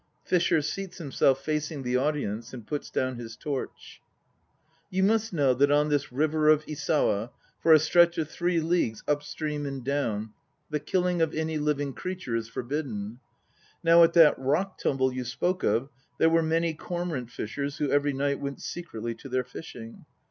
FISHER (seats himself facing the audience and puts down his torch). You must know that on this river of Isawa, for a stretch of three leagues up stream and down, the killing of any living creature is forbidden. Now at that Rock tumble you spoke of there were many cormorant fishers who every night went secretly to their fishing.